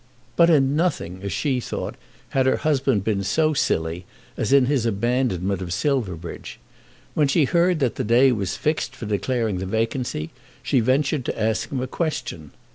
But in nothing, as she thought, had her husband been so silly as in his abandonment of Silverbridge. When she heard that the day was fixed for declaring the vacancy, she ventured to ask him a question.